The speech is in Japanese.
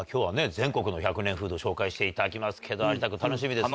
全国の１００年フード紹介していただきますけど有田君楽しみですね。